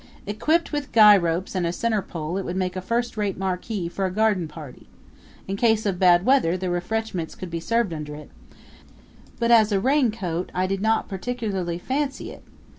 Equipped with guy ropes and a centerpole it would make a first rate marquee for a garden party in case of bad weather the refreshments could be served under it; but as a raincoat I did not particularly fancy it.